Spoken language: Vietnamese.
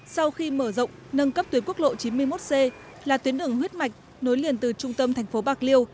sau khi mở rộng nâng cấp tuyến quốc lộ chín mươi một c là tuyến đường huyết mạch nối liền từ trung tâm thành phố bạc liêu